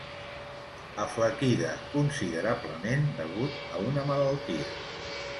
Aflaquida considerablement degut a una malaltia.